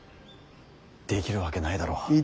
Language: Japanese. できるわけないだろう。